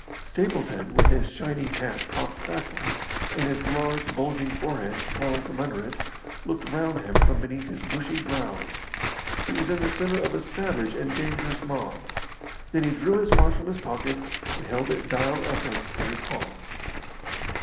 Stapleton, with his shiny hat cocked backwards, and his large, bulging forehead swelling from under it, looked round him from beneath his bushy brows. He was in the centre of a savage and dangerous mob. Then he drew his watch from his pocket and held it dial upwards in his palm.